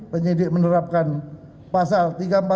penyidik menerapkan pasal tiga ratus empat puluh